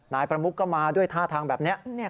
นายประมุกก็มาด้วยท่าทางแบบนี้